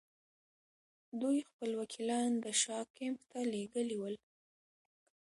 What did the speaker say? دوی خپل وکیلان د شاه کمپ ته لېږلي ول.